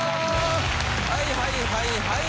はいはいはいはい！